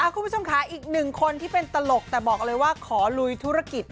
คุณผู้ชมค่ะอีกหนึ่งคนที่เป็นตลกแต่บอกเลยว่าขอลุยธุรกิจ